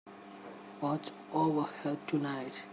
Watch over her tonight.